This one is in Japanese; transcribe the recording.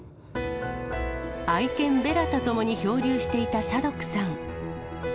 愛犬、ベラと共に漂流していたシャドックさん。